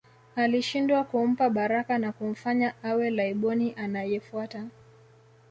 Alishindwa kumpa baraka na kumfanya awe Laiboni anayefuata